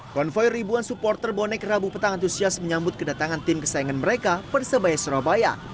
konvoy ribuan supporter bonek rabu petang antusias menyambut kedatangan tim kesayangan mereka persebaya surabaya